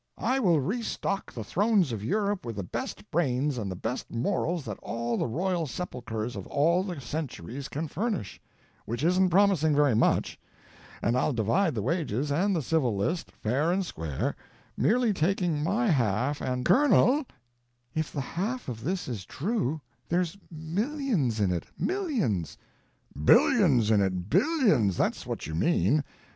I will restock the thrones of Europe with the best brains and the best morals that all the royal sepulchres of all the centuries can furnish—which isn't promising very much—and I'll divide the wages and the civil list, fair and square, merely taking my half and—" "Colonel, if the half of this is true, there's millions in it—millions." "Billions in it—billions; that's what you mean.